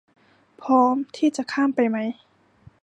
พร้อมที่จะข้ามไปไหม